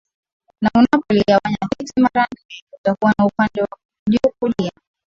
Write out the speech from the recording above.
na unapo ligawanya titi mara nne utakuwa na upande wa juu kulia